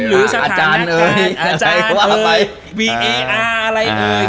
หรือสถานการณ์อาจารย์วีเออร์อะไรอื่น